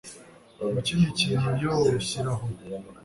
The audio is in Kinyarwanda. Mu kindi kintu Yoo shyira aho